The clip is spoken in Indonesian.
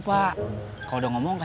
pasti mau jumpa bikin